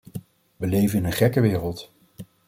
We leven in een gekke wereld.